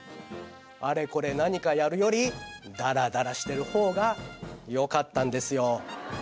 あれこれ何かやるよりダラダラしてる方がよかったんですよ